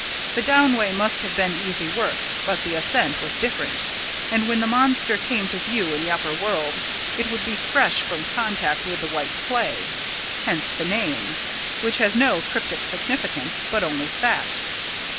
The downway must have been easy work, but the ascent was different, and when the monster came to view in the upper world, it would be fresh from contact with the white clay. Hence the name, which has no cryptic significance, but only fact.